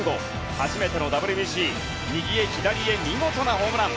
初めてのＷＢＣ右へ左へ見事なホームラン。